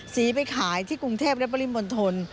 สีไปขายที่กรุงเทพและปริมณฑล